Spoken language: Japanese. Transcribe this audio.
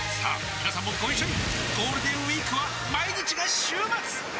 みなさんもご一緒にゴールデンウィークは毎日が週末！